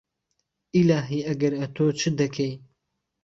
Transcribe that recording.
ئیلاهی ئەگەر ئەتۆ چدەکەی